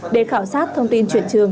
để khảo sát thông tin chuyển trường